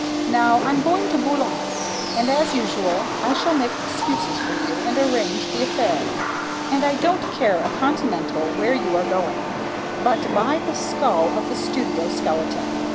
Now I'm going to Boulant's, and as usual I shall make excuses for you and arrange the affair, and I don't care a continental where you are going, but, by the skull of the studio skeleton!